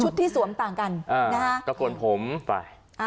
ชุดที่สวมต่างกันตกลผมไป